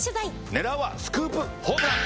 狙うはスクープホームラン！